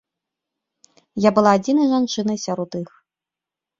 Я была адзінай жанчынай сярод іх.